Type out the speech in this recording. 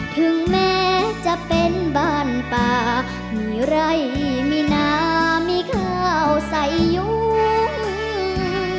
ถึงแม้จะเป็นบ้านป่ามีไร่มีนามีข้าวใส่ยุ้ง